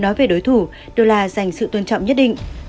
nói về đối thủ dolat dành sự tôn trọng nhất định